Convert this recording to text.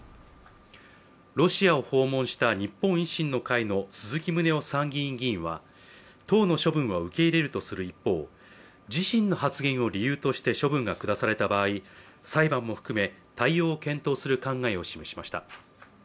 ロシアを訪問した日本維新の会の鈴木宗男参議院議員は党の処分は受け入れるとする一方自身の発言を理由として処分が下された場合、裁判も含め対応する考えを示しました。